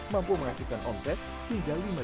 mampu menghasilkan omset hingga